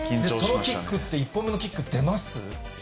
そのキックって、１本目のキック出ます？